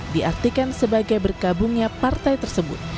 diartikan sebagai berkabungnya partai tersebut